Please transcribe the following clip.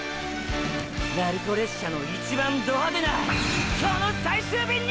鳴子列車の一番ド派手なこの最終便に！！